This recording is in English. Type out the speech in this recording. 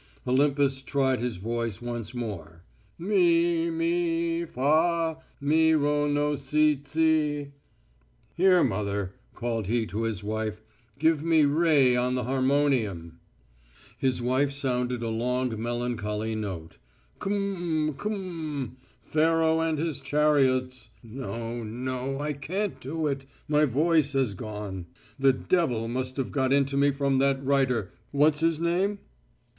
Olympus tried his voice once more: "Mi ... mi ... fa.... Mi ro no citsi.... Here, mother," called he to his wife, "give me re on the harmonium." His wife sounded a long melancholy note. "Km ... km.... Pharaoh and his chariots.... No, no, I can't do it, my voice has gone. The devil must have got into me from that writer, what's his name?..."